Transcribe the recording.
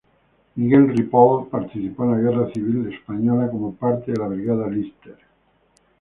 Miguel Ripoll participó en la Guerra Civil Española como parte de la Brigada Líster.